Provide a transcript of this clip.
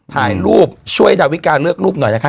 ถ่ายรูปช่วยดาวิกาเลือกรูปหน่อยนะคะ